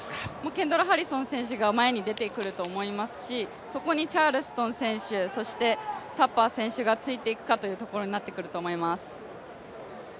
ケンドラ・ハリソン選手が前に出てくると思いますし、そこにチャールストン選手、タッパー選手がついていくかというところになっていくかと思います。